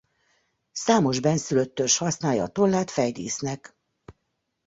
Számos bennszülött törzs használja a tollát fejdísznek.